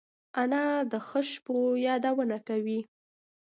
انا د ښو شپو یادونه کوي